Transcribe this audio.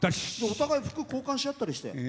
お互い服交換しあったりして。